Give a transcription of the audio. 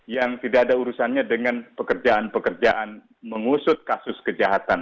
yang tidak ada urusannya dengan pekerjaan pekerjaan mengusut kasus kejahatan